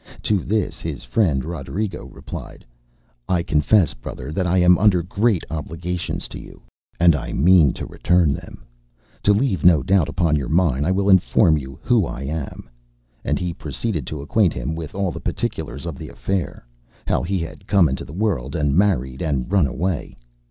To this his friend Roderigo replied: ŌĆ£I confess, brother, that I am under great obligations to you, and I mean to return them. To leave no doubt upon your mind, I will inform you who I am; ŌĆØ and he proceeded to acquaint him with all the particulars of the affair: how he had come into the world, and married, and run away.